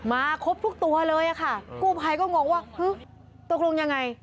ครบทุกตัวเลยอะค่ะกู้ภัยก็งงว่าตกลงยังไง